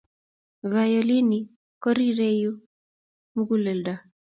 violini korirei you mukulelto